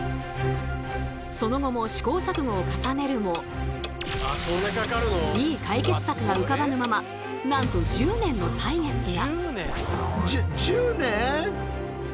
その後も試行錯誤を重ねるもいい解決策が浮かばぬままなんと１０年の歳月が。